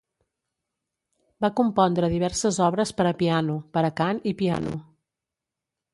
Va compondre diverses obres per a piano, per a cant i piano.